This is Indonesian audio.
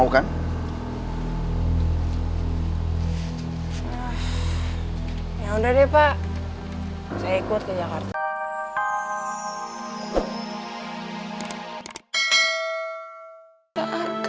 saya ikut ke jakarta